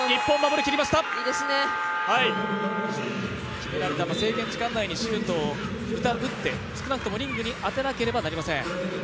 決められた制限時間内にシュートを打って、少なくともリングに当てなければなりません。